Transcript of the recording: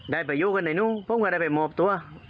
ไปอยู่กันในนู้นผมก็ได้ไปมอบตัว